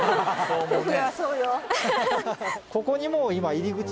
ここにもう今。